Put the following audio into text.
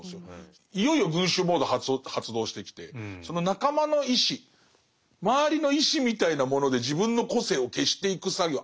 いよいよ群衆モード発動してきてその仲間の意思周りの意思みたいなもので自分の個性を消していく作業。